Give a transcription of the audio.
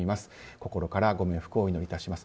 心からご冥福をお祈りします。